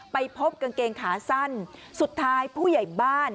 ไปพบกางเกงขาสั้นสุดท้ายผู้ใหญ่บ้าน